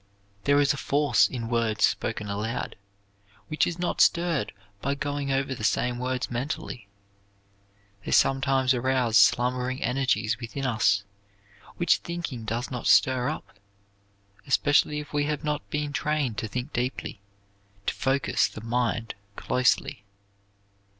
There is a force in words spoken aloud which is not stirred by going over the same words mentally. They sometimes arouse slumbering energies within us which thinking does not stir up especially if we have not been trained to think deeply, to focus the mind closely.